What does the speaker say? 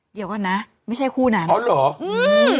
เดี๋ยวก่อนนะไม่ใช่คู่นั้นอ๋อเหรออืม